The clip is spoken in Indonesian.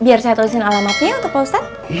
biar saya tulisin alamatnya untuk pak ustadz